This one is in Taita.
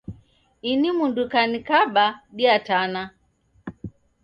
Ini mundu kanikaba diatana.